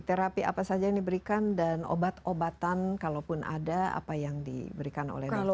terapi apa saja yang diberikan dan obat obatan kalaupun ada apa yang diberikan oleh dokter